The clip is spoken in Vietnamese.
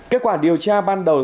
kết quả điều tra ban đầu